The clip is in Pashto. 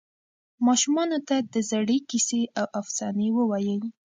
ماشومانو ته د زړې کیسې او افسانې ووایئ.